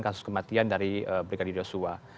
kasus kematian dari brigadir yosua